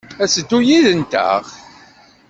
Ad d-teddu yid-nteɣ?